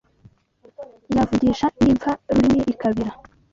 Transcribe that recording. Yavugisha n’impfa rurimi ikabira